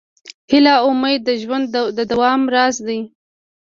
هیله او امید د ژوند د دوام راز دی.